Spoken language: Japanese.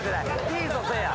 いいぞせいや。